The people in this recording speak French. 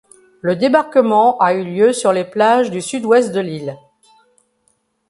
Le débarquement a eu lieu sur les plages du sud-ouest de l'île.